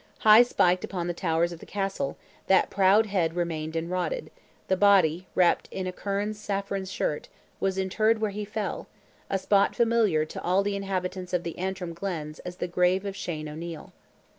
High spiked upon the towers of the Castle, that proud head remained and rotted; the body, wrapped in a Kerns saffron shirt, was interred where he fell, a spot familiar to all the inhabitants of the Antrim glens as "the grave of Shane O'Neil."